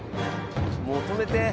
もう止めて！